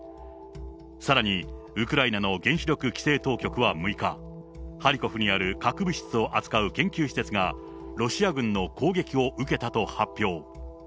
さらにウクライナの原子力規制当局は６日、ハリコフにある核物質を扱う研究施設が、ロシア軍の攻撃を受けたと発表。